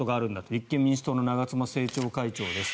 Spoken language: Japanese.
立憲民主党の長妻政調会長です。